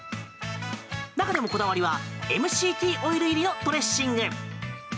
中でもこだわりはＭＣＴオイル入りのドレッシング。